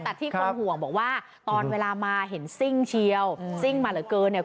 แต่ที่คนห่วงบอกว่าตอนเวลามาเห็นซิ่งเชียวซิ่งมาเหลือเกินเนี่ย